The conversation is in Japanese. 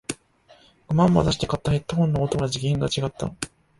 五万も出して買ったヘッドフォンの音は次元が違った